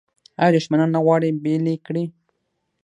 آیا دښمنان نه غواړي بیل یې کړي؟